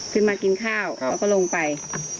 อ๋อขึ้นมากินข้าวครับแล้วก็ลงไป